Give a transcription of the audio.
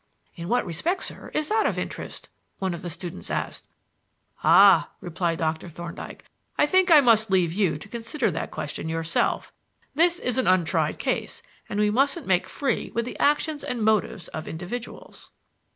"In what respect, sir, is it of interest?" one of the students asked. "Ah," replied Dr. Thorndyke, "I think I must leave you to consider that question yourself. This is an untried case, and we mustn't make free with the actions and motives of individuals."